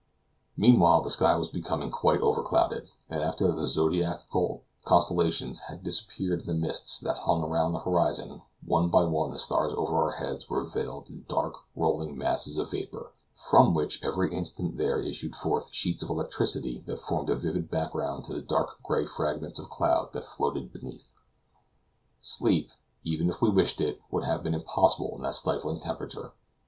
Meanwhile the sky was becoming quite over clouded, and after the zodiacal constellations had disappeared in the mists that hung round the horizon, one by one the stars above our heads were veiled in dark rolling masses of vapor, from which every instant there issued forth sheets of electricity that formed a vivid background to the dark gray fragments of cloud that floated beneath. Sleep, even if we wished it, would have been impossible in that stifling temperature.